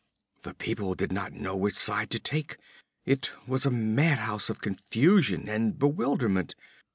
'The people did not know which side to take. It was a madhouse of confusion and bewilderment.